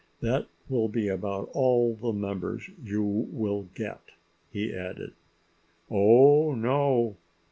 "That will be about all the members you will get," he added. "Oh, no!"